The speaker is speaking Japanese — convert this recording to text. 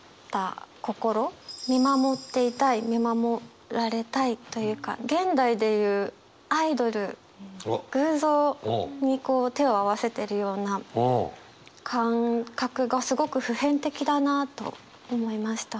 見守っていたい見守られたいというか現代で言うアイドル偶像にこう手を合わせてるような感覚がすごく普遍的だなと思いました。